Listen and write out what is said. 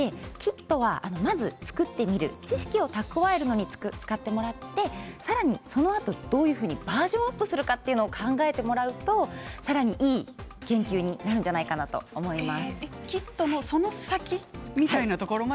キットはまず作ってみる知識を蓄えるのに使ってもらってその後どういうふうにバージョンアップをするかを考えてもらうといい研究になると思います。